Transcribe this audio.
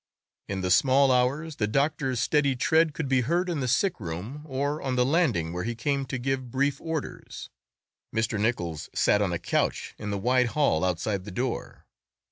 In the small hours the doctor's steady tread could be heard in the sick room, or on the landing where he came to give brief orders. Mr. Nichols sat on a couch in the wide hall outside the door.